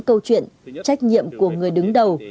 câu chuyện trách nhiệm của người đứng đầu